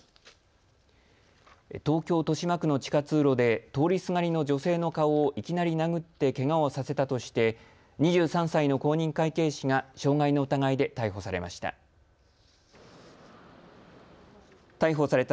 東京、豊島区の地下通路で通りすがりの女性の顔をいきなり殴ってけがをさせたとして２３歳の公認会計士が傷害の疑いで逮捕されました。